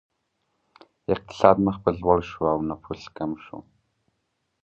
اقتصاد مخ په ځوړ شو او نفوس کم شو.